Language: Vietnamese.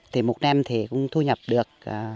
thì một năm thì cũng thu nhập được